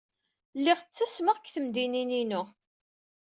Lliɣ ttasmeɣ seg tmeddidin-inu.